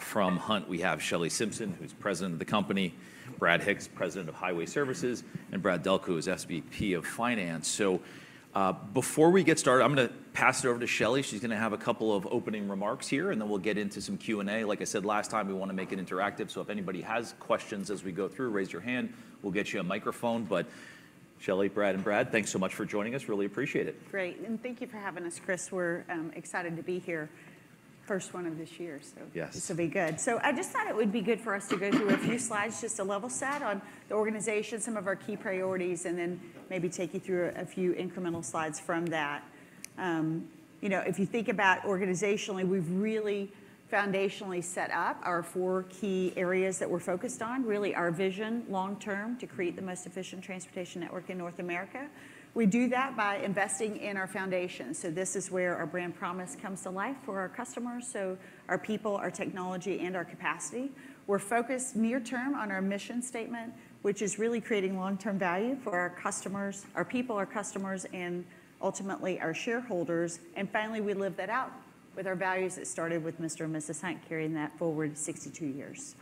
From J.B. Hunt, we have Shelley Simpson, who's President of the company, Brad Hicks, President of Highway Services, and Brad Delco, who is SVP of Finance. So, before we get started, I'm gonna pass it over to Shelley. She's gonna have a couple of opening remarks here, and then we'll get into some Q&A. Like I said last time, we wanna make it interactive, so if anybody has questions as we go through, raise your hand, we'll get you a microphone. But Shelley, Brad, and Brad, thanks so much for joining us. Really appreciate it. Great, and thank you for having us, Chris. We're excited to be here. First one of this year, so- Yes. This'll be good. So I just thought it would be good for us to go through a few slides, just to level set on the organization, some of our key priorities, and then maybe take you through a few incremental slides from that. You know, if you think about organizationally, we've really foundationally set up our four key areas that we're focused on. Really, our vision long-term, to create the most efficient transportation network in North America. We do that by investing in our foundation, so this is where our brand promise comes to life for our customers, so our people, our technology, and our capacity. We're focused near term on our mission statement, which is really creating long-term value for our customers, our people, our customers, and ultimately our shareholders. And finally, we live that out with our values that started with Mr. and Mrs. Hunt, carrying that forward 62 years.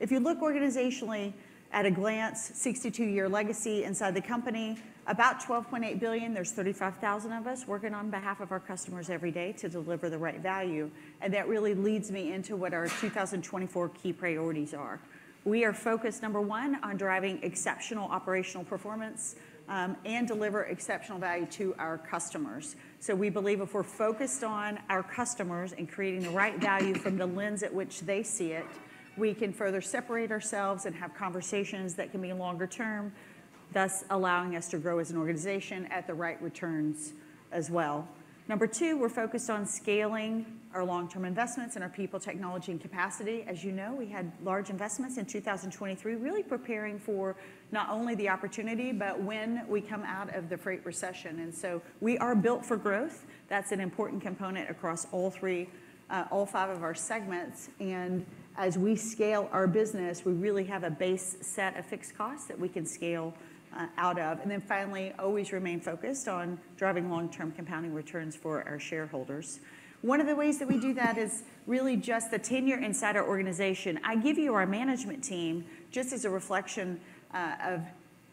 If you look organizationally, at a glance, 62-year legacy inside the company, about $12.8 billion, there's 35,000 of us working on behalf of our customers every day to deliver the right value, and that really leads me into what our 2024 key priorities are. We are focused, number one, on driving exceptional operational performance, and deliver exceptional value to our customers. So we believe if we're focused on our customers and creating the right value from the lens at which they see it, we can further separate ourselves and have conversations that can be longer term, thus allowing us to grow as an organization at the right returns as well. Number two, we're focused on scaling our long-term investments in our people, technology, and capacity. As you know, we had large investments in 2023, really preparing for not only the opportunity, but when we come out of the freight recession, and so we are built for growth. That's an important component across all three, all five of our segments, and as we scale our business, we really have a base set of fixed costs that we can scale out of. And then finally, always remain focused on driving long-term compounding returns for our shareholders. One of the ways that we do that is really just the tenure inside our organization. I give you our management team just as a reflection of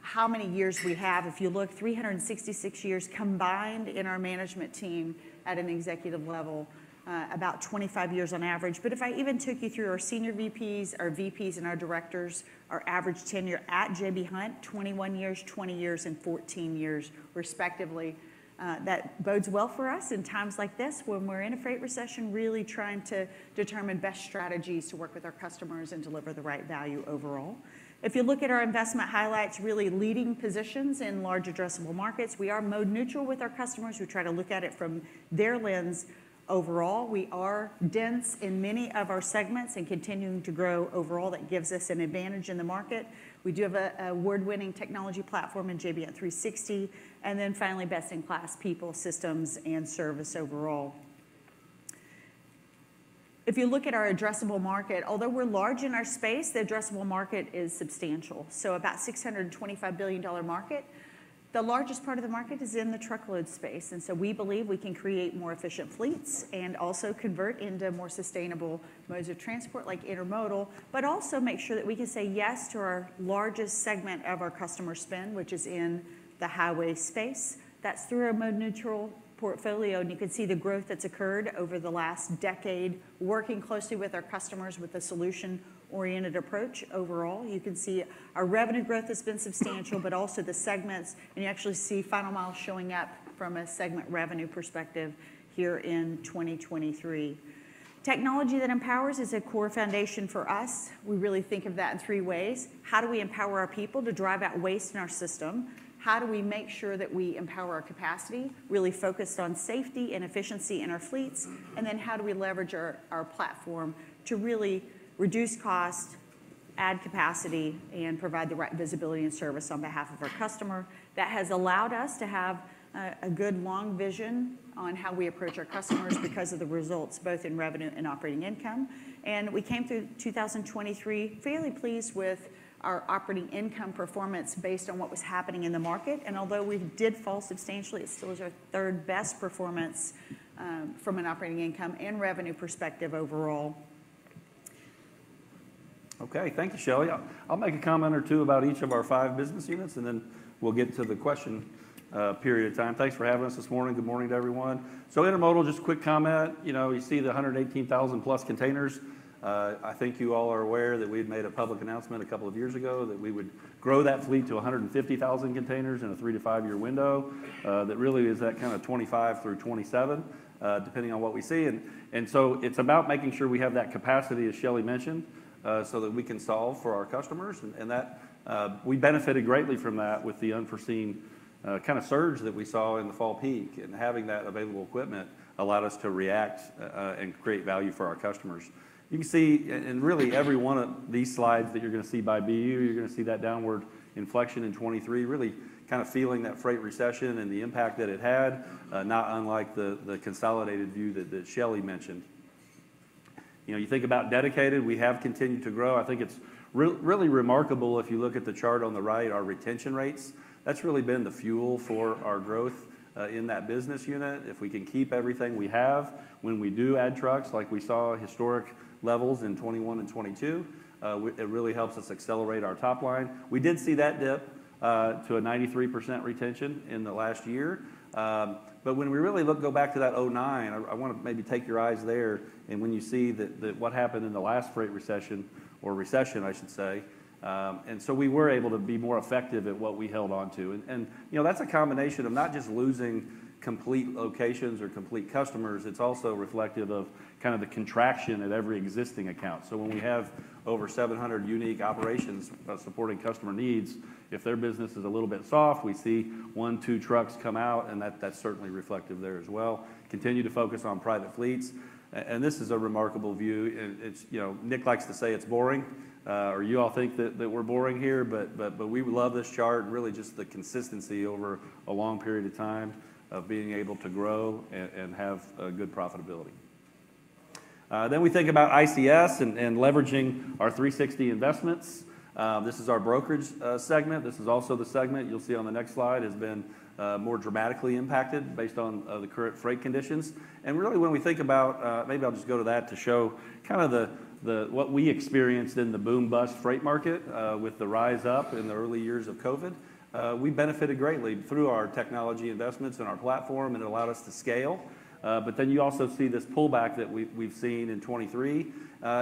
how many years we have. If you look, 366 years combined in our management team at an executive level, about 25 years on average. But if I even took you through our senior VPs, our VPs, and our directors, our average tenure at J.B. Hunt, 21 years, 20 years, and 14 years, respectively. That bodes well for us in times like this, when we're in a freight recession, really trying to determine best strategies to work with our customers and deliver the right value overall. If you look at our investment highlights, really leading positions in large addressable markets. We are mode neutral with our customers. We try to look at it from their lens. Overall, we are dense in many of our segments and continuing to grow overall, that gives us an advantage in the market. We do have a award-winning technology platform in J.B. Hunt 360, and then finally, best-in-class people, systems, and service overall. If you look at our addressable market, although we're large in our space, the addressable market is substantial, so about a $625 billion market. The largest part of the market is in the truckload space, and so we believe we can create more efficient fleets and also convert into more sustainable modes of transport, like intermodal, but also make sure that we can say yes to our largest segment of our customer spend, which is in the highway space. That's through our mode neutral portfolio, and you can see the growth that's occurred over the last decade, working closely with our customers with a solution-oriented approach overall. You can see our revenue growth has been substantial, but also the segments, and you actually see final mile showing up from a segment revenue perspective here in 2023. Technology that empowers is a core foundation for us. We really think of that in three ways: How do we empower our people to drive out waste in our system? How do we make sure that we empower our capacity, really focused on safety and efficiency in our fleets? And then, how do we leverage our platform to really reduce cost, add capacity, and provide the right visibility and service on behalf of our customer? That has allowed us to have a good long vision on how we approach our customers, because of the results, both in revenue and operating income. And we came through 2023 fairly pleased with our operating income performance based on what was happening in the market, and although we did fall substantially, it still was our third-best performance from an operating income and revenue perspective overall. Okay, thank you, Shelley. I'll make a comment or two about each of our five business units, and then we'll get to the question period of time. Thanks for having us this morning. Good morning to everyone. So, intermodal, just a quick comment. You know, you see the 118,000+ containers. I think you all are aware that we had made a public announcement a couple of years ago that we would grow that fleet to 150,000 containers in a three-five-year window. That really is that kind of 2025 through 2027, depending on what we see. So it's about making sure we have that capacity, as Shelley mentioned, so that we can solve for our customers and that we benefited greatly from that with the unforeseen kind of surge that we saw in the fall peak, and having that available equipment allowed us to react and create value for our customers. You can see in really every one of these slides that you're gonna see by BU, you're gonna see that downward inflection in 2023, really kind of feeling that freight recession and the impact that it had, not unlike the consolidated view that Shelley mentioned. You know, you think about dedicated, we have continued to grow. I think it's really remarkable if you look at the chart on the right, our retention rates, that's really been the fuel for our growth in that business unit. If we can keep everything we have, when we do add trucks, like we saw historic levels in 2021 and 2022, it really helps us accelerate our top line. We did see that dip to a 93% retention in the last year. But when we really look, go back to that 2009, I want to maybe take your eyes there, and when you see that, what happened in the last freight recession or recession, I should say. And so we were able to be more effective at what we held on to. You know, that's a combination of not just losing complete locations or complete customers, it's also reflective of kind of the contraction at every existing account. So when we have over 700 unique operations supporting customer needs, if their business is a little bit soft, we see one-two trucks come out, and that, that's certainly reflective there as well. Continue to focus on private fleets. And this is a remarkable view, and it's, you know, Hicks likes to say it's boring, or you all think that, that we're boring here, but we love this chart, really just the consistency over a long period of time of being able to grow and have a good profitability. Then we think about ICS and leveraging our 360 investments. This is our brokerage segment. This is also the segment, you'll see on the next slide, has been more dramatically impacted based on the current freight conditions. And really, when we think about... Maybe I'll just go to that to show kind of the the what we experienced in the boom-bust freight market with the rise up in the early years of COVID. We benefited greatly through our technology investments and our platform, and it allowed us to scale. But then you also see this pullback that we've we've seen in 2023.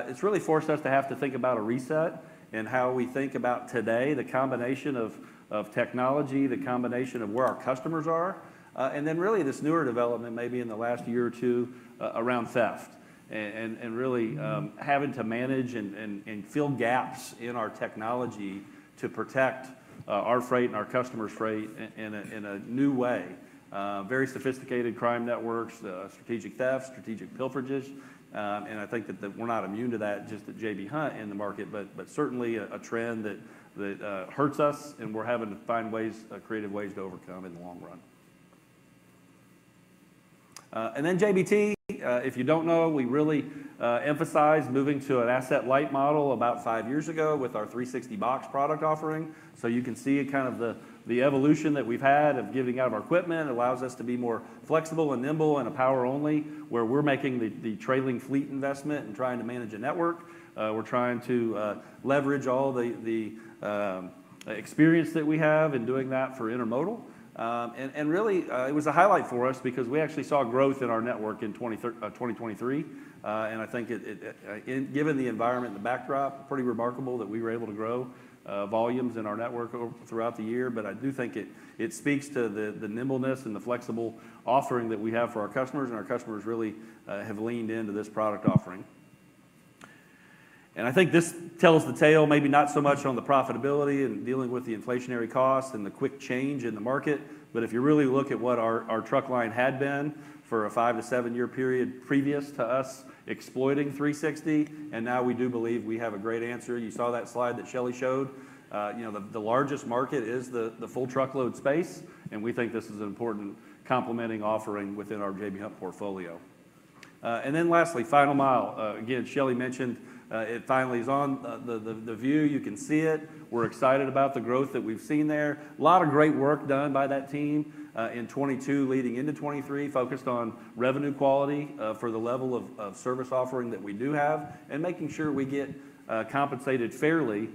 It's really forced us to have to think about a reset and how we think about today, the combination of technology, the combination of where our customers are, and then really this newer development, maybe in the last year or two, around theft. Really having to manage and fill gaps in our technology to protect our freight and our customers' freight in a new way. Very sophisticated crime networks, strategic theft, strategic pilferages, and I think that we're not immune to that, just at J.B. Hunt in the market, but certainly a trend that hurts us, and we're having to find ways, creative ways to overcome in the long run. And then JBT, if you don't know, we really emphasized moving to an asset-light model about five years ago with our 360box product offering. So you can see kind of the evolution that we've had of giving out of our equipment. It allows us to be more flexible and nimble and a power only, where we're making the trailing fleet investment and trying to manage a network. We're trying to leverage all the experience that we have in doing that for intermodal. And really, it was a highlight for us because we actually saw growth in our network in 2023. And I think it, given the environment and the backdrop, pretty remarkable that we were able to grow volumes in our network over throughout the year. But I do think it speaks to the nimbleness and the flexible offering that we have for our customers, and our customers really have leaned into this product offering. I think this tells the tale, maybe not so much on the profitability and dealing with the inflationary costs and the quick change in the market, but if you really look at what our truck line had been for a five- to seven-year period previous to us exploiting 360, and now we do believe we have a great answer. You saw that slide that Shelley showed. You know, the largest market is the full truckload space, and we think this is an important complementing offering within our J.B. Hunt portfolio. And then lastly, final mile. Again, Shelley mentioned, it finally is on the view. You can see it. We're excited about the growth that we've seen there. A lot of great work done by that team in 2022 leading into 2023, focused on revenue quality for the level of service offering that we do have, and making sure we get compensated fairly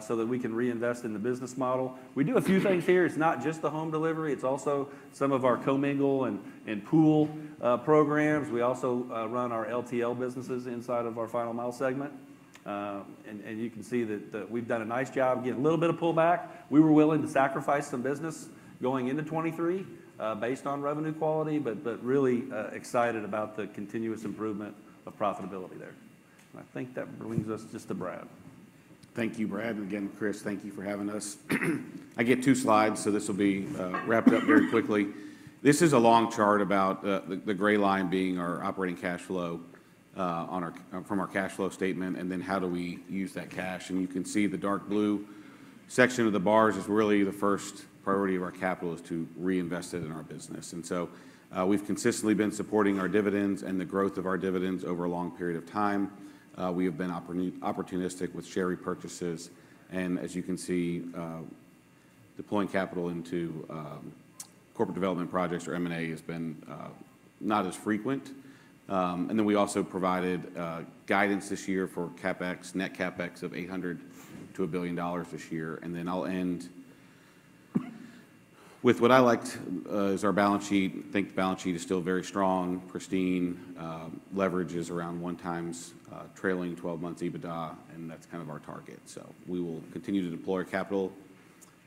so that we can reinvest in the business model. We do a few things here. It's not just the home delivery, it's also some of our co-mingle and pool programs. We also run our LTL businesses inside of our final mile segment. And you can see that we've done a nice job, getting a little bit of pullback. We were willing to sacrifice some business going into 2023 based on revenue quality, but really excited about the continuous improvement of profitability there. I think that brings us just to Brad. Thank you, Brad, and again, Chris, thank you for having us. I get two slides, so this will be wrapped up very quickly. This is a long chart about the gray line being our operating cash flow on our from our cash flow statement, and then how do we use that cash? And you can see the dark blue section of the bars is really the first priority of our capital is to reinvest it in our business. And so, we've consistently been supporting our dividends and the growth of our dividends over a long period of time. We have been opportunistic with share repurchases, and as you can see, deploying capital into corporate development projects or M&A has been not as frequent. And then we also provided guidance this year for CapEx, net CapEx of $800 million-$1 billion this year. And then I'll end with what I liked is our balance sheet. I think the balance sheet is still very strong, pristine. Leverage is around 1x trailing twelve months EBITDA, and that's kind of our target. So we will continue to deploy capital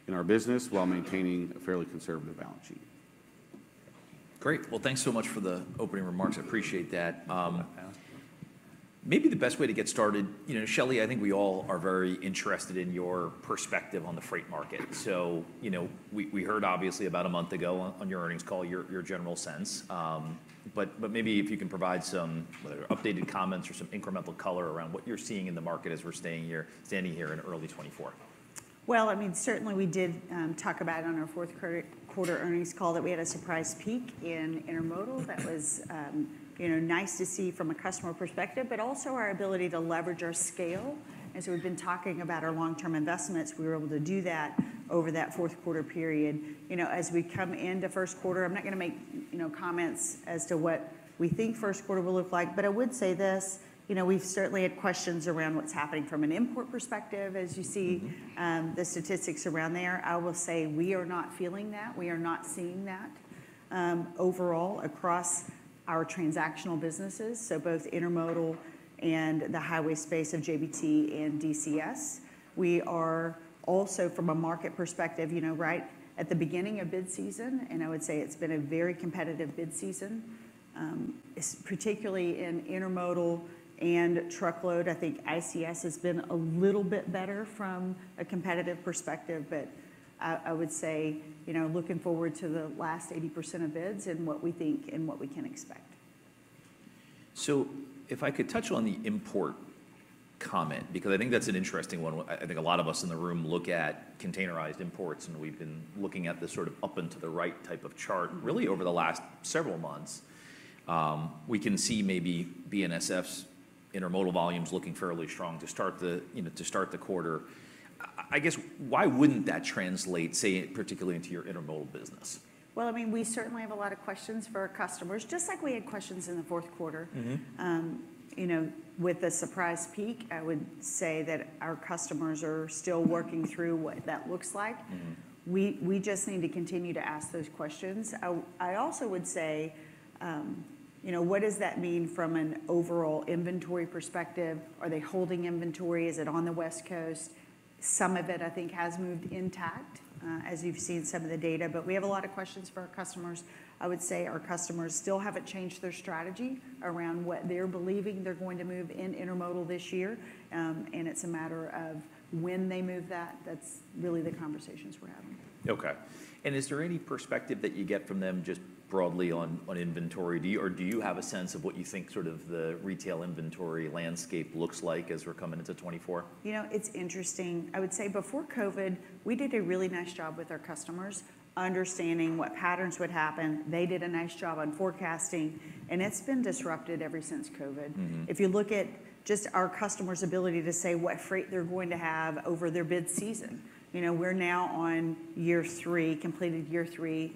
in our business while maintaining a fairly conservative balance sheet. Great! Well, thanks so much for the opening remarks. I appreciate that. Maybe the best way to get started, you know, Shelley, I think we all are very interested in your perspective on the freight market. So, you know, we heard obviously about a month ago on your earnings call, your general sense, but maybe if you can provide some, whether updated comments or some incremental color around what you're seeing in the market as we're standing here in early 2024. .Well, I mean, certainly we did talk about it on our Q4 earnings call, that we had a surprise peak in intermodal. That was, you know, nice to see from a customer perspective, but also our ability to leverage our scale. And so we've been talking about our long-term investments. We were able to do that over that Q4 period. You know, as we come into Q1, I'm not going to make, you know, comments as to what we think Q1 will look like, but I would say this: you know, we've certainly had questions around what's happening from an import perspective, as you see- Mm-hmm The statistics around there. I will say we are not feeling that. We are not seeing that, overall, across our transactional businesses, so both intermodal and the highway space of JBT and DCS. We are also, from a market perspective, you know, right at the beginning of bid season, and I would say it's been a very competitive bid season. Particularly in intermodal and truckload. I think ICS has been a little bit better from a competitive perspective, but I, I would say, you know, looking forward to the last 80% of bids and what we think and what we can expect. So if I could touch on the import comment, because I think that's an interesting one. I think a lot of us in the room look at containerized imports, and we've been looking at the sort of up and to the right type of chart, really over the last several months. We can see maybe BNSF's intermodal volumes looking fairly strong to start the, you know, to start the quarter. I guess, why wouldn't that translate, say, particularly into your intermodal business? Well, I mean, we certainly have a lot of questions for our customers, just like we had questions in the Q4. Mm-hmm. You know, with the surprise peak, I would say that our customers are still working through what that looks like. Mm-hmm. We just need to continue to ask those questions. I also would say, you know, what does that mean from an overall inventory perspective? Are they holding inventory? Is it on the West Coast? Some of it, I think, has moved intact, as you've seen some of the data, but we have a lot of questions for our customers. I would say our customers still haven't changed their strategy around what they're believing they're going to move in intermodal this year. And it's a matter of when they move that. That's really the conversations we're having. Okay. Is there any perspective that you get from them, just broadly on inventory? Do you have a sense of what you think sort of the retail inventory landscape looks like as we're coming into 2024? You know, it's interesting. I would say before COVID, we did a really nice job with our customers, understanding what patterns would happen. They did a nice job on forecasting, and it's been disrupted ever since COVID. Mm-hmm. If you look at just our customers' ability to say what freight they're going to have over their bid season, you know, we're now on year three, completed year 3.5,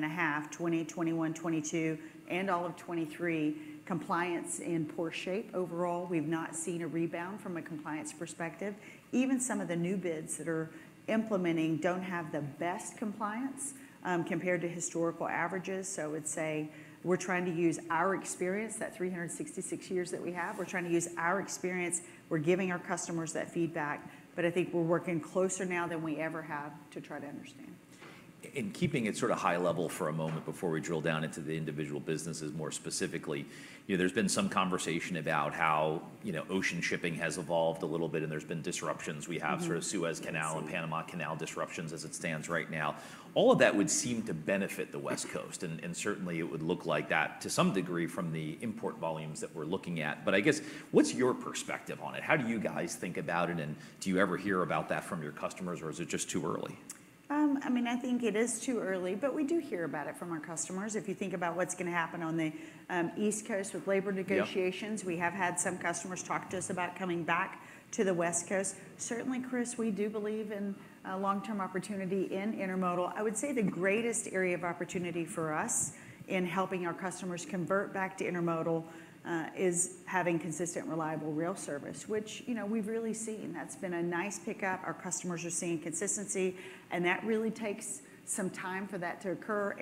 2020, 2021, 2022, and all of 2023. Compliance in poor shape overall. We've not seen a rebound from a compliance perspective. Even some of the new bids that are implementing don't have the best compliance compared to historical averages. So I would say we're trying to use our experience, that 366 years that we have, we're trying to use our experience. We're giving our customers that feedback, but I think we're working closer now than we ever have to try to understand. Keeping it sort of high-level for a moment before we drill down into the individual businesses more specifically, you know, there's been some conversation about how, you know, ocean shipping has evolved a little bit, and there's been disruptions. Mm-hmm. We have sort of Suez Canal- Yes... and Panama Canal disruptions as it stands right now. All of that would seem to benefit the West Coast, and certainly, it would look like that to some degree from the import volumes that we're looking at. But I guess, what's your perspective on it? How do you guys think about it, and do you ever hear about that from your customers, or is it just too early? I mean, I think it is too early, but we do hear about it from our customers. If you think about what's going to happen on the East Coast with labor negotiations- Yep We have had some customers talk to us about coming back to the West Coast. Certainly, Chris, we do believe in a long-term opportunity in intermodal. I would say the greatest area of opportunity for us in helping our customers convert back to intermodal is having consistent, reliable rail service, which, you know, we've really seen. That's been a nice pickup. Our customers are seeing consistency, and that really takes some time for that to occur.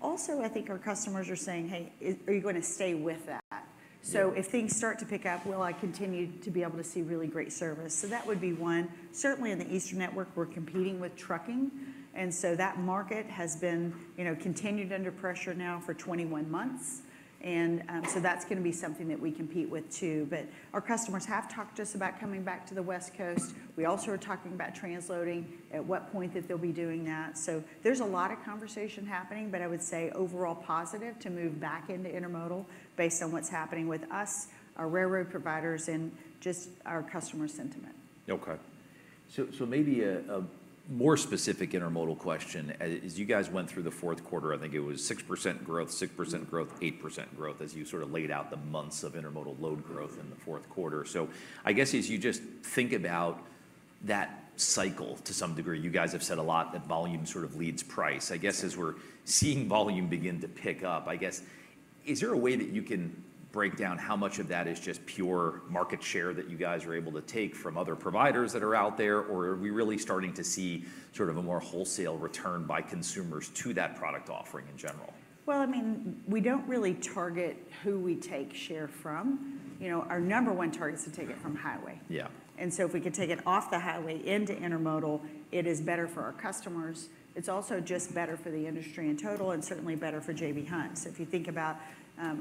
Also, I think our customers are saying, "Hey, are you going to stay with that? Yeah. So if things start to pick up, will I continue to be able to see really great service?" So that would be one. Certainly, in the Eastern network, we're competing with trucking, and so that market has been, you know, continued under pressure now for 21 months. And, so that's going to be something that we compete with too. But our customers have talked to us about coming back to the West Coast. We also are talking about transloading, at what point that they'll be doing that. So there's a lot of conversation happening, but I would say overall positive to move back into intermodal based on what's happening with us, our railroad providers, and just our customer sentiment. Okay. Maybe a more specific intermodal question. As you guys went through the Q4, I think it was 6% growth, 6% growth, 8% growth, as you sort of laid out the months of intermodal load growth in the Q4. So I guess as you just think about that cycle to some degree, you guys have said a lot that volume sort of leads price. Yes. I guess, as we're seeing volume begin to pick up, is there a way that you can break down how much of that is just pure market share that you guys are able to take from other providers that are out there? Or are we really starting to see sort of a more wholesale return by consumers to that product offering in general? Well, I mean, we don't really target who we take share from. You know, our number one target is to take it from highway. Yeah. And so if we can take it off the highway into intermodal, it is better for our customers. It's also just better for the industry in total and certainly better for J.B. Hunt. So if you think about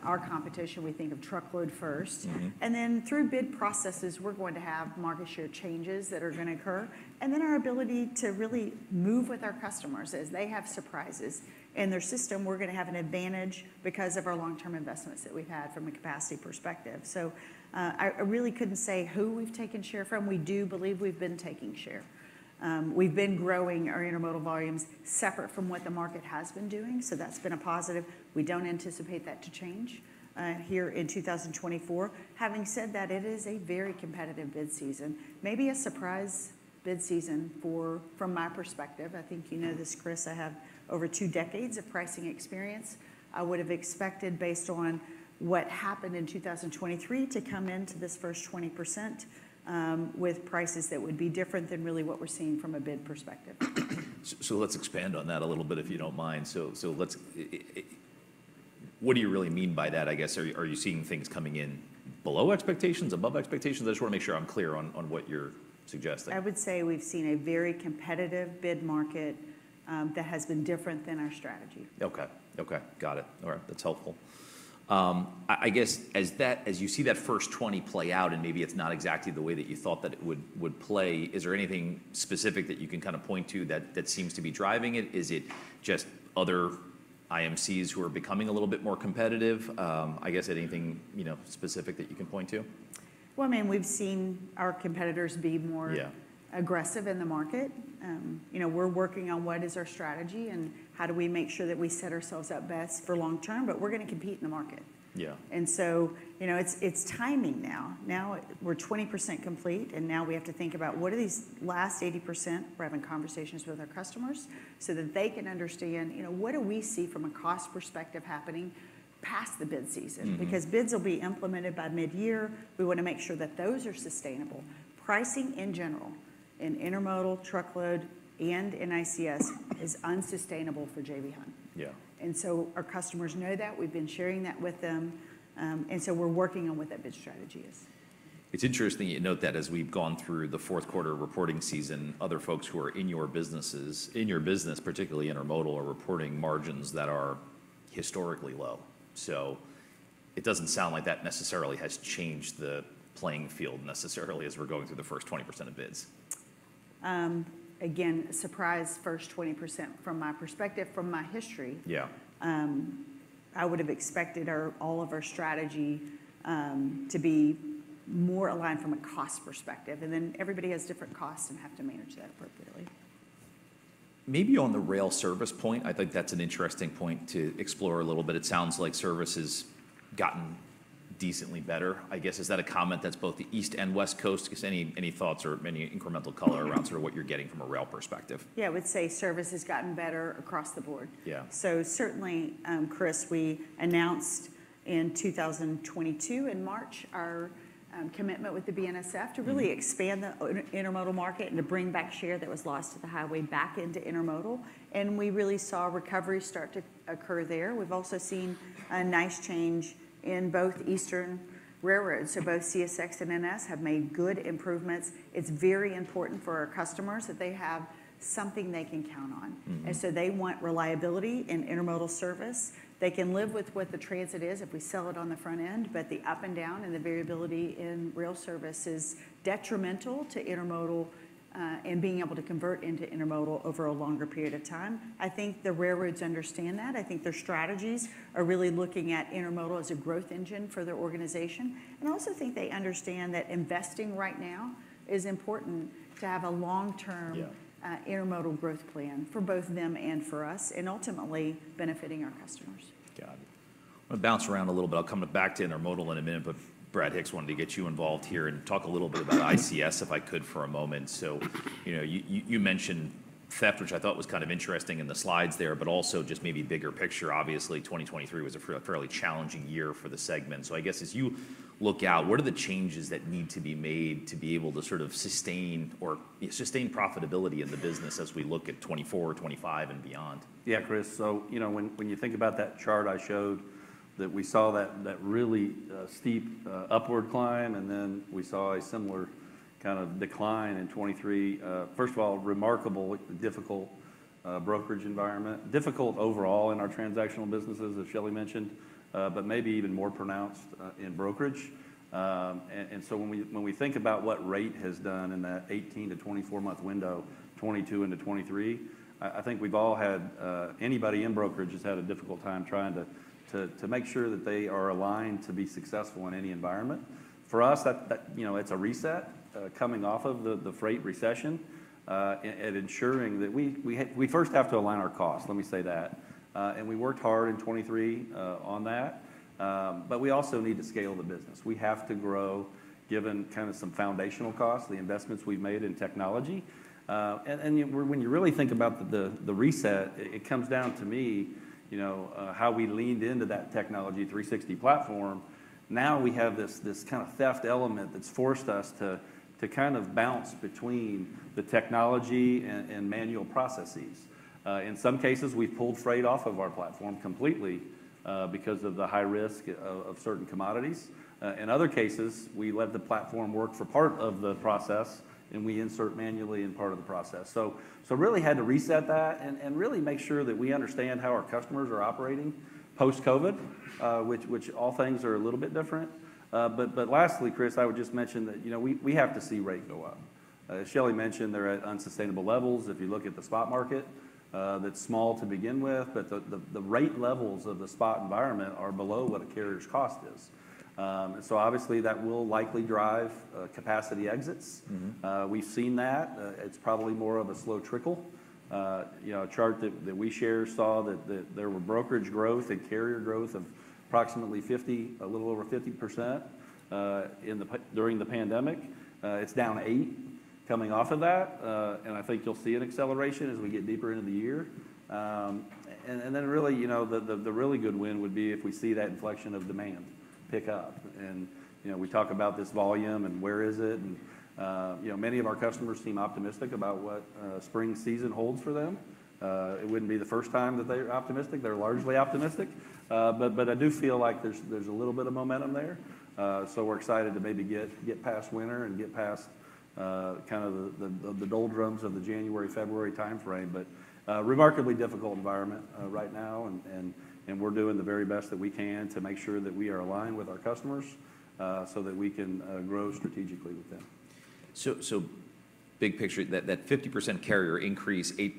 our competition, we think of truckload first. Mm-hmm. And then through bid processes, we're going to have market share changes that are gonna occur, and then our ability to really move with our customers. As they have surprises in their system, we're gonna have an advantage because of our long-term investments that we've had from a capacity perspective. So, I really couldn't say who we've taken share from. We do believe we've been taking share. We've been growing our intermodal volumes separate from what the market has been doing, so that's been a positive. We don't anticipate that to change here in 2024. Having said that, it is a very competitive bid season, maybe a surprise bid season for, from my perspective. I think you know this, Chris. I have over two decades of pricing experience. I would've expected, based on what happened in 2023, to come into this first 20%, with prices that would be different than really what we're seeing from a bid perspective. So let's expand on that a little bit, if you don't mind. So let's, what do you really mean by that, I guess? Are you seeing things coming in below expectations, above expectations? I just wanna make sure I'm clear on what you're suggesting. I would say we've seen a very competitive bid market, that has been different than our strategy. Okay. Okay, got it. All right, that's helpful. I guess as you see that first 20 play out, and maybe it's not exactly the way that you thought that it would play, is there anything specific that you can kind of point to that seems to be driving it? Is it just other IMCs who are becoming a little bit more competitive? I guess anything, you know, specific that you can point to? Well, I mean, we've seen our competitors be more- Yeah... aggressive in the market. You know, we're working on what is our strategy, and how do we make sure that we set ourselves up best for long term, but we're gonna compete in the market. Yeah. And so, you know, it's, it's timing now. Now, we're 20% complete, and now we have to think about what are these last 80%? We're having conversations with our customers so that they can understand, you know, what do we see from a cost perspective happening past the bid season? Mm-hmm. Because bids will be implemented by mid-year, we wanna make sure that those are sustainable. Pricing, in general, in intermodal truckload and in ICS, is unsustainable for J.B. Hunt. Yeah. Our customers know that. We've been sharing that with them, and so we're working on what that bid strategy is. It's interesting you note that as we've gone through the Q4 reporting season, other folks who are in your businesses, in your business, particularly intermodal, are reporting margins that are historically low. So it doesn't sound like that necessarily has changed the playing field necessarily as we're going through the first 20% of bids. Again, a surprise first 20% from my perspective, from my history. Yeah. I would've expected our, all of our strategy, to be more aligned from a cost perspective, and then everybody has different costs and have to manage that appropriately. Maybe on the rail service point, I think that's an interesting point to explore a little bit. It sounds like service has gotten decently better, I guess. Is that a comment that's both the East Coast and West Coast? Just any, any thoughts or any incremental color around, sort of what you're getting from a rail perspective? Yeah, I would say service has gotten better across the board. Yeah. So certainly, Chris, we announced in 2022, in March, our commitment with the BNSF- Mm To really expand the intermodal market and to bring back share that was lost to the highway back into intermodal, and we really saw recovery start to occur there. We've also seen a nice change in both eastern railroads, so both CSX and NS have made good improvements. It's very important for our customers that they have something they can count on. Mm-hmm. And so they want reliability in intermodal service. They can live with what the transit is if we sell it on the front end, but the up and down and the variability in rail service is detrimental to intermodal, and being able to convert into intermodal over a longer period of time. I think the railroads understand that. I think their strategies are really looking at intermodal as a growth engine for their organization. And I also think they understand that investing right now is important to have a long-term- Yeah Intermodal growth plan for both them and for us, and ultimately benefiting our customers. Got it. I'm gonna bounce around a little bit. I'll come back to intermodal in a minute, but, Brad Hicks, wanted to get you involved here and talk a little bit about ICS, if I could, for a moment. So, you know, you mentioned theft, which I thought was kind of interesting in the slides there, but also just maybe bigger picture. Obviously, 2023 was a fairly challenging year for the segment. So I guess as you look out, what are the changes that need to be made to be able to sort of sustain profitability in the business as we look at 2024, 2025, and beyond? Yeah, Chris. So, you know, when you think about that chart I showed, that we saw, that really steep upward climb, and then we saw a similar kind of decline in 2023. First of all, remarkable difficult brokerage environment. Difficult overall in our transactional businesses, as Shelley mentioned, but maybe even more pronounced in brokerage. And so when we think about what rate has done in that 18-24 month window, 2022 into 2023, I think we've all had—anybody in brokerage has had a difficult time trying to make sure that they are aligned to be successful in any environment. For us, that you know, it's a reset coming off of the freight recession and ensuring that we first have to align our costs, let me say that. And we worked hard in 2023 on that, but we also need to scale the business. We have to grow, given kind of some foundational costs, the investments we've made in technology. And when you really think about the reset, it comes down to me, you know, how we leaned into that J.B. Hunt 360 platform. Now, we have this kind of theft element that's forced us to kind of bounce between the technology and manual processes. In some cases, we've pulled freight off of our platform completely because of the high risk of certain commodities. In other cases, we let the platform work for part of the process, and we insert manually in part of the process. So really had to reset that and really make sure that we understand how our customers are operating post-COVID, which all things are a little bit different. But lastly, Chris, I would just mention that, you know, we have to see rate go up. Shelley mentioned they're at unsustainable levels. If you look at the spot market, that's small to begin with, but the rate levels of the spot environment are below what a carrier's cost is. So obviously, that will likely drive capacity exits. Mm-hmm. We've seen that. It's probably more of a slow trickle. You know, a chart that we share saw that there were brokerage growth and carrier growth of approximately 50, a little over 50%, during the pandemic. It's down 8 coming off of that, and I think you'll see an acceleration as we get deeper into the year. And then really, you know, the really good win would be if we see that inflection of demand pick up. You know, we talk about this volume, and where is it? You know, many of our customers seem optimistic about what spring season holds for them. It wouldn't be the first time that they're optimistic. They're largely optimistic. But I do feel like there's a little bit of momentum there. So we're excited to maybe get past winter and get past kind of the doldrums of the January, February time frame, but remarkably difficult environment right now, and we're doing the very best that we can to make sure that we are aligned with our customers so that we can grow strategically with them. So, big picture, that 50% carrier increase, 8%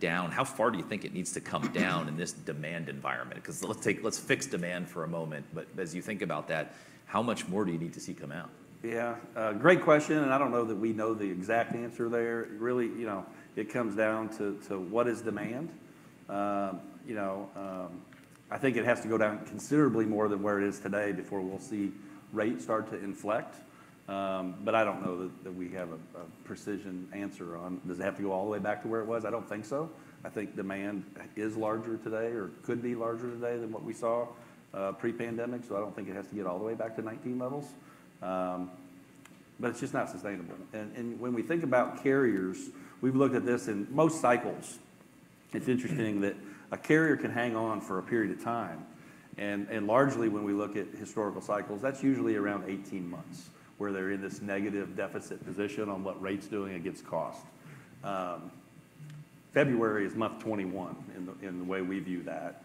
down, how far do you think it needs to come down in this demand environment? 'Cause let's fix demand for a moment, but as you think about that, how much more do you need to see come out? Yeah, great question, and I don't know that we know the exact answer there. Really, you know, it comes down to what is demand? You know, I think it has to go down considerably more than where it is today before we'll see rates start to inflect. But I don't know that we have a precision answer on, does it have to go all the way back to where it was? I don't think so. I think demand is larger today or could be larger today than what we saw, pre-pandemic, so I don't think it has to get all the way back to 2019 levels. But it's just not sustainable. And when we think about carriers, we've looked at this in most cycles. It's interesting that a carrier can hang on for a period of time, and largely, when we look at historical cycles, that's usually around 18 months, where they're in this negative deficit position on what rate's doing against cost. February is month 21 in the way we view that.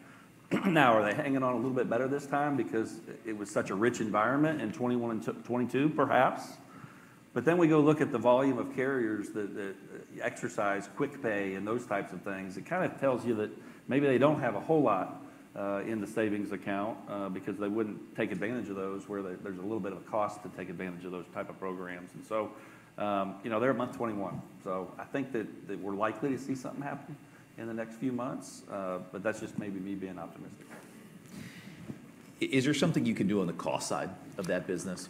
Now, are they hanging on a little bit better this time because it was such a rich environment in 2021 and 2022? Perhaps. But then we go look at the volume of carriers that exercise Quick Pay and those types of things, it kind of tells you that maybe they don't have a whole lot in the savings account because they wouldn't take advantage of those, where there's a little bit of a cost to take advantage of those type of programs. And so, you know, they're at month 21. So I think that, that we're likely to see something happen in the next few months, but that's just maybe me being optimistic. Is there something you can do on the cost side of that business?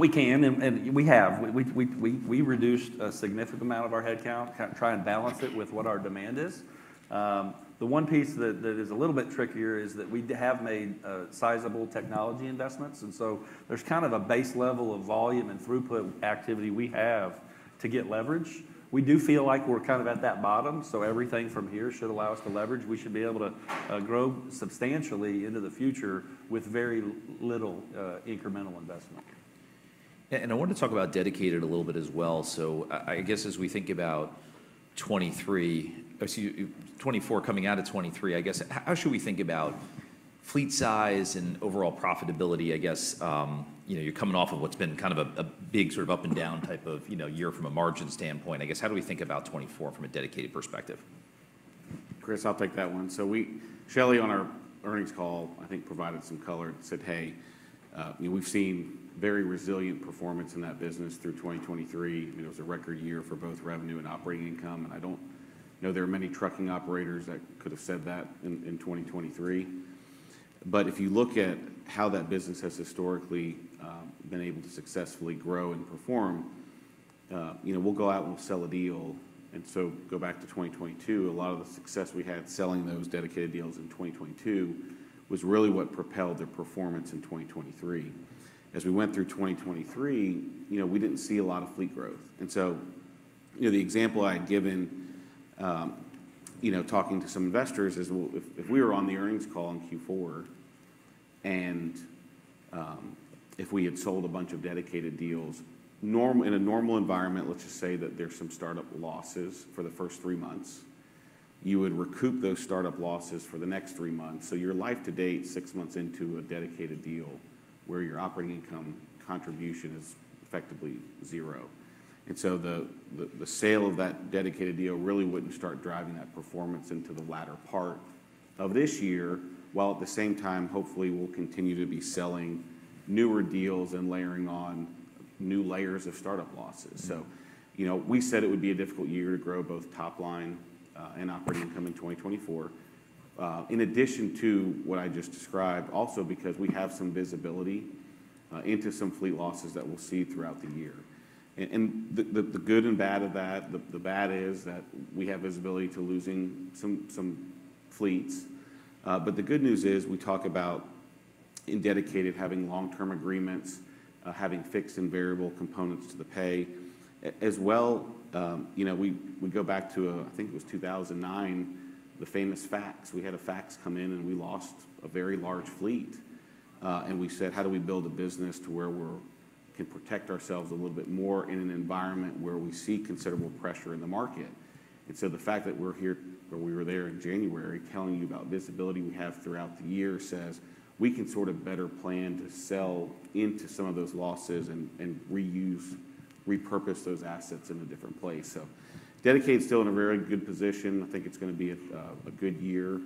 We can, and we have. We reduced a significant amount of our headcount, try and balance it with what our demand is. The one piece that is a little bit trickier is that we have made sizable technology investments, and so there's kind of a base level of volume and throughput activity we have to get leverage. We do feel like we're kind of at that bottom, so everything from here should allow us to leverage. We should be able to grow substantially into the future with very little incremental investment. I wanted to talk about dedicated a little bit as well. So I guess as we think about 2023... Oh, so twenty-four, coming out of 2023, I guess, how should we think about fleet size and overall profitability, I guess? You know, you're coming off of what's been kind of a big sort of up and down type of, you know, year from a margin standpoint. I guess, how do we think about 2024 from a dedicated perspective? Chris, I'll take that one. Shelley, on our earnings call, I think, provided some color and said, "Hey, we've seen very resilient performance in that business through 2023. You know, it was a record year for both revenue and operating income." And I don't know there are many trucking operators that could have said that in 2023. But if you look at how that business has historically been able to successfully grow and perform, you know, we'll go out and we'll sell a deal. And so go back to 2022, a lot of the success we had selling those dedicated deals in 2022 was really what propelled the performance in 2023. As we went through 2023, you know, we didn't see a lot of fleet growth. And so, you know, the example I had given. You know, talking to some investors, if, if we were on the earnings call in Q4, and if we had sold a bunch of dedicated deals, normally in a normal environment, let's just say that there's some startup losses for the first three months. You would recoup those startup losses for the next three months. So your life to date, six months into a dedicated deal, where your operating income contribution is effectively zero. And so the sale of that dedicated deal really wouldn't start driving that performance into the latter part of this year, while at the same time, hopefully, we'll continue to be selling newer deals and layering on new layers of startup losses. So, you know, we said it would be a difficult year to grow both top line and operating income in 2024. In addition to what I just described, also because we have some visibility into some fleet losses that we'll see throughout the year. And the good and bad of that, the bad is that we have visibility to losing some fleets. But the good news is, we talk about in dedicated, having long-term agreements, having fixed and variable components to the pay. As well, you know, we go back to, I think it was 2009, the famous fax. We had a fax come in, and we lost a very large fleet. And we said: How do we build a business to where we're-- can protect ourselves a little bit more in an environment where we see considerable pressure in the market? And so the fact that we're here, or we were there in January, telling you about visibility we have throughout the year, says we can sort of better plan to sell into some of those losses and reuse, repurpose those assets in a different place. So dedicated is still in a very good position. I think it's gonna be a good year,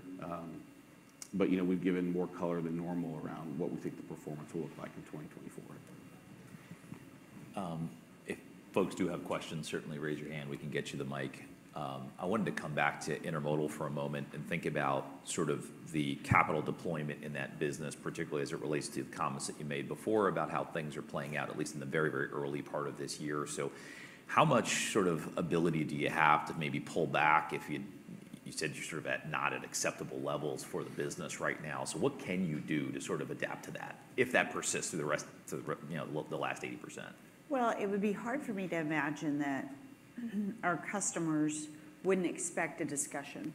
but, you know, we've given more color than normal around what we think the performance will look like in 2024. If folks do have questions, certainly raise your hand, we can get you the mic. I wanted to come back to intermodal for a moment and think about sort of the capital deployment in that business, particularly as it relates to the comments that you made before about how things are playing out, at least in the very, very early part of this year. So how much sort of ability do you have to maybe pull back if you—you said you're sort of at, not at acceptable levels for the business right now. So what can you do to sort of adapt to that, if that persists through the rest, you know, the last 80%? Well, it would be hard for me to imagine that our customers wouldn't expect a discussion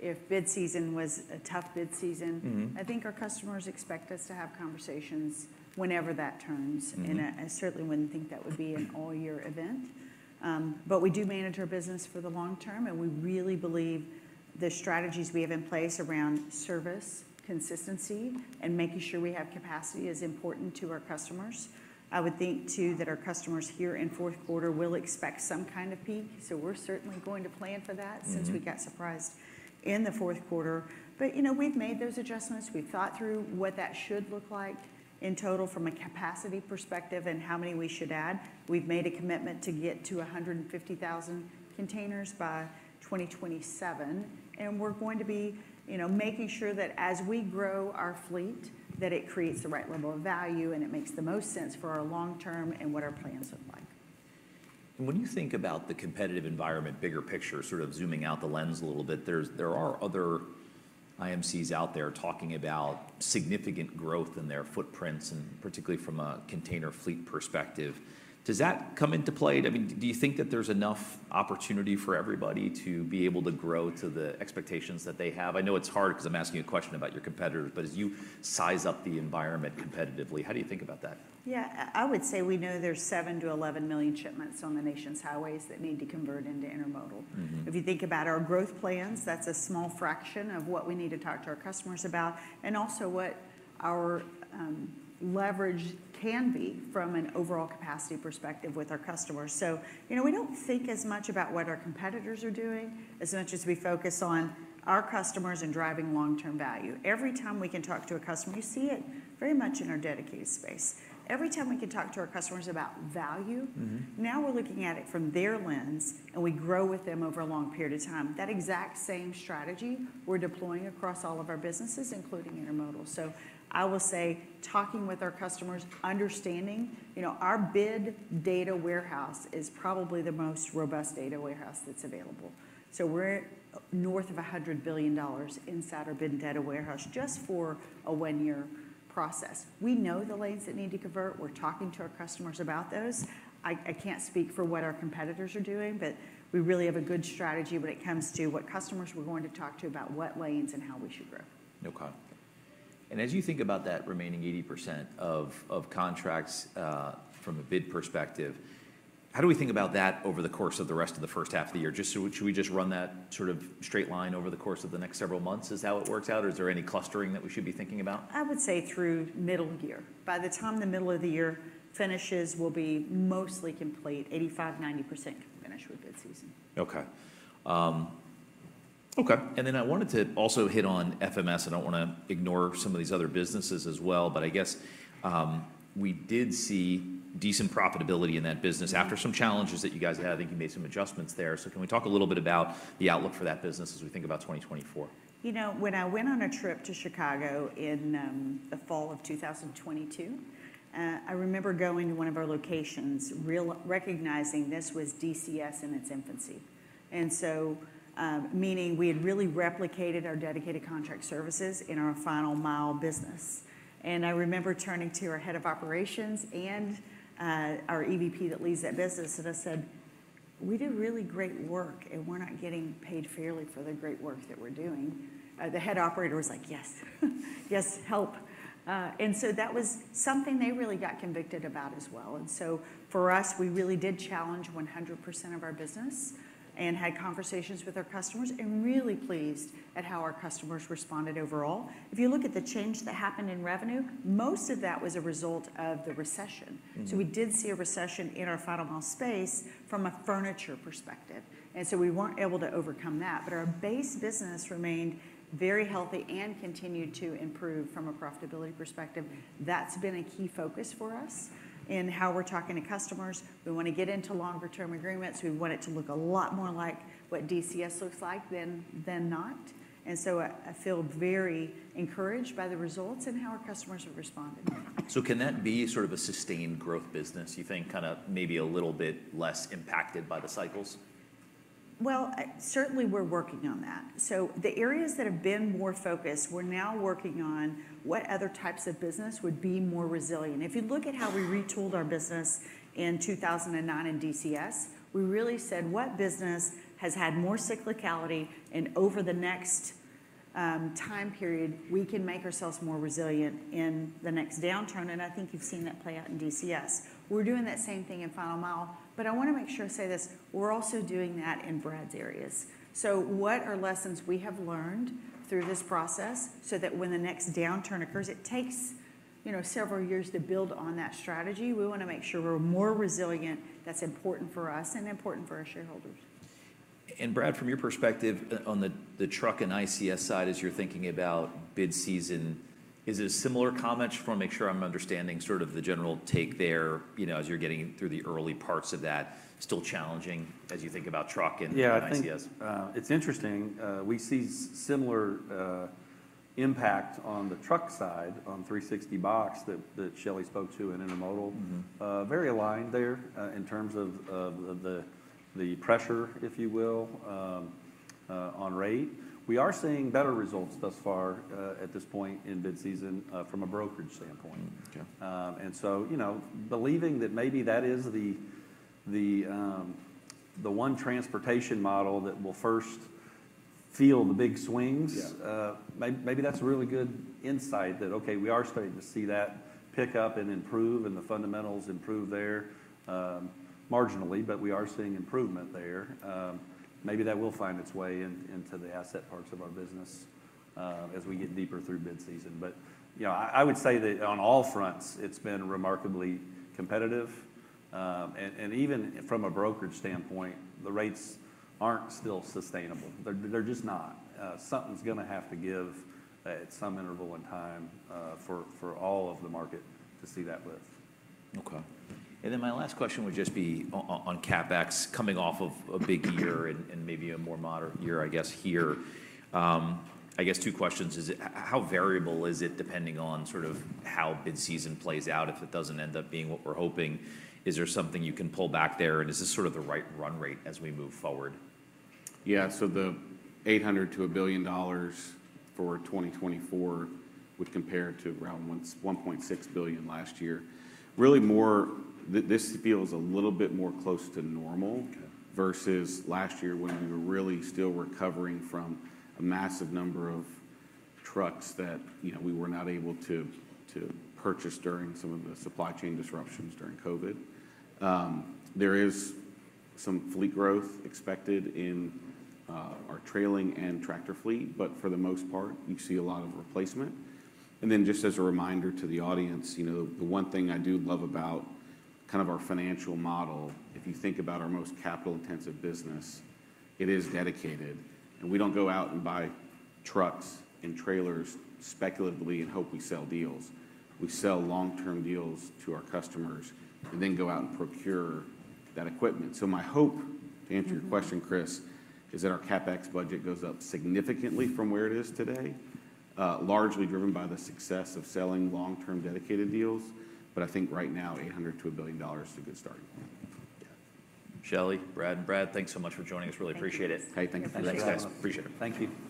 if bid season was a tough bid season. Mm-hmm. I think our customers expect us to have conversations whenever that turns. Mm-hmm. I certainly wouldn't think that would be an all-year event. But we do manage our business for the long term, and we really believe the strategies we have in place around service, consistency, and making sure we have capacity is important to our customers. I would think, too, that our customers here in Q4 will expect some kind of peak, so we're certainly going to plan for that. Mm-hmm. Since we got surprised in the Q4. But, you know, we've made those adjustments. We've thought through what that should look like in total from a capacity perspective and how many we should add. We've made a commitment to get to 150,000 containers by 2027, and we're going to be, you know, making sure that as we grow our fleet, that it creates the right level of value, and it makes the most sense for our long term and what our plans look like. When you think about the competitive environment, bigger picture, sort of zooming out the lens a little bit, there are other IMCs out there talking about significant growth in their footprints, and particularly from a container fleet perspective. Does that come into play? I mean, do you think that there's enough opportunity for everybody to be able to grow to the expectations that they have? I know it's hard because I'm asking you a question about your competitors, but as you size up the environment competitively, how do you think about that? Yeah, I would say we know there's 7million-11 million shipments on the nation's highways that need to convert into intermodal. Mm-hmm. If you think about our growth plans, that's a small fraction of what we need to talk to our customers about and also what our leverage can be from an overall capacity perspective with our customers. So, you know, we don't think as much about what our competitors are doing, as much as we focus on our customers and driving long-term value. Every time we can talk to a customer, you see it very much in our dedicated space. Every time we can talk to our customers about value. Mm-hmm. Now we're looking at it from their lens, and we grow with them over a long period of time. That exact same strategy, we're deploying across all of our businesses, including intermodal. So I will say, talking with our customers, understanding. You know, our bid data warehouse is probably the most robust data warehouse that's available. So we're north of $100 billion inside our bid data warehouse just for a one-year process. We know the lanes that need to convert. We're talking to our customers about those. I, I can't speak for what our competitors are doing, but we really have a good strategy when it comes to what customers we're going to talk to, about what lanes and how we should grow. No problem. As you think about that remaining 80% of contracts from a bid perspective, how do we think about that over the course of the rest of the first half of the year? Should we just run that sort of straight line over the course of the next several months, is how it works out, or is there any clustering that we should be thinking about? I would say through middle year. By the time the middle of the year finishes, we'll be mostly complete, 85%-90% finished with bid season. Okay. Okay, and then I wanted to also hit on FMS. I don't wanna ignore some of these other businesses as well, but I guess, we did see decent profitability in that business- Mm. After some challenges that you guys had. I think you made some adjustments there. So can we talk a little bit about the outlook for that business as we think about 2024? You know, when I went on a trip to Chicago in the fall of 2022, I remember going to one of our locations, recognizing this was DCS in its infancy. And so, meaning we had really replicated our dedicated contract services in our final mile business. And I remember turning to our head of operations and our EVP that leads that business, and I said: "We do really great work, and we're not getting paid fairly for the great work that we're doing." The head operator was like: "Yes. Yes, help!" And so that was something they really got convicted about as well. And so for us, we really did challenge 100% of our business and had conversations with our customers, and really pleased at how our customers responded overall. If you look at the change that happened in revenue, most of that was a result of the recession. Mm-hmm. So we did see a recession in our final mile space from a furniture perspective, and so we weren't able to overcome that. But our base business remained very healthy and continued to improve from a profitability perspective. That's been a key focus for us in how we're talking to customers. We want to get into longer term agreements. We want it to look a lot more like what DCS looks like than not, and so I feel very encouraged by the results and how our customers have responded. Can that be sort of a sustained growth business, you think? Kind of maybe a little bit less impacted by the cycles? Well, certainly we're working on that. So the areas that have been more focused, we're now working on what other types of business would be more resilient. If you look at how we retooled our business in 2009 in DCS, we really said: "What business has had more cyclicality, and over the next time period, we can make ourselves more resilient in the next downturn?" And I think you've seen that play out in DCS. We're doing that same thing in final mile, but I wanna make sure to say this: we're also doing that in Brad's areas. So what are lessons we have learned through this process, so that when the next downturn occurs, it takes, you know, several years to build on that strategy. We wanna make sure we're more resilient. That's important for us and important for our shareholders. Brad, from your perspective on the truck and ICS side, as you're thinking about bid season, is it a similar comment? Just wanna make sure I'm understanding sort of the general take there, you know, as you're getting through the early parts of that. Still challenging as you think about truck and ICS? Yeah, I think it's interesting. We see similar impact on the truck side, on 360box, that Shelley spoke to in intermodal. Mm-hmm. Very aligned there, in terms of the pressure, if you will, on rate. We are seeing better results thus far, at this point in bid season, from a brokerage standpoint. Mm-hmm. Yeah. and so, you know, believing that maybe that is the one transportation model that will first feel the big swings- Yeah Maybe that's a really good insight that, okay, we are starting to see that pick up and improve, and the fundamentals improve there, marginally, but we are seeing improvement there. Maybe that will find its way into the asset parts of our business, as we get deeper through bid season. But, you know, I would say that on all fronts, it's been remarkably competitive. And even from a brokerage standpoint, the rates aren't still sustainable. They're just not. Something's gonna have to give at some interval and time, for all of the market to see that lift. Okay. And then my last question would just be on CapEx, coming off of a big year and maybe a more moderate year, I guess, here. I guess two questions is: how variable is it, depending on sort of how bid season plays out, if it doesn't end up being what we're hoping? Is there something you can pull back there, and is this sort of the right run rate as we move forward? Yeah. So the $800 million-$1 billion for 2024 would compare to around $1.6 billion last year. Really more this feels a little bit more close to normal- Okay Versus last year, when we were really still recovering from a massive number of trucks that, you know, we were not able to purchase during some of the supply chain disruptions during COVID. There is some fleet growth expected in our trailer and tractor fleet, but for the most part, you see a lot of replacement. And then, just as a reminder to the audience, you know, the one thing I do love about kind of our financial model, if you think about our most capital-intensive business, it is dedicated, and we don't go out and buy trucks and trailers speculatively and hope we sell deals. We sell long-term deals to our customers and then go out and procure that equipment. So my hope, to answer your question, Chris, is that our CapEx budget goes up significantly from where it is today, largely driven by the success of selling long-term dedicated deals, but I think right now, $800 million-$1 billion is a good starting point. Shelley, Brad, and Brad, thanks so much for joining us. Really appreciate it. Thank you. Hey, thank you. Thanks, guys. Appreciate it. Thank you.